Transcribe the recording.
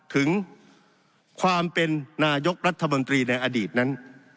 ถึงความเป็นนายกรัฐมนตรีในอดีตนั้น